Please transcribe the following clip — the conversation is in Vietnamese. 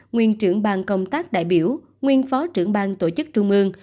nguyên trưởng bang công tác đại biểu nguyên phó trưởng bang tổ chức trung mương